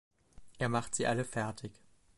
Er macht sie alle fertig!